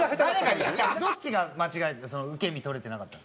どっちが間違えてた？